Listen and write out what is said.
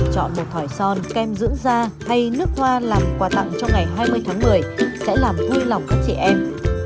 chọn một thỏi son kem dưỡng da hay nước hoa làm quà tặng trong ngày hai mươi tháng một mươi sẽ làm vui lòng các chị em